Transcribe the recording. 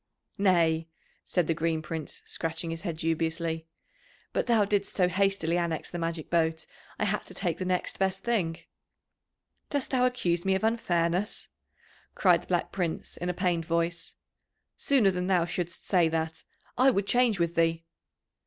"Nay," said the Green Prince, scratching his head dubiously. "But thou didst so hastily annex the magic boat, I had to take the next best thing." "Dost thou accuse me of unfairness?" cried the Black Prince in a pained voice. "Sooner than thou shouldst say that, I would change with thee."